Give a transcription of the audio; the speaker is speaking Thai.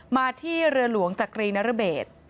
มาที่เรือหลวงจักรีนรเบศ